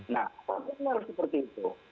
nah bagaimana seperti itu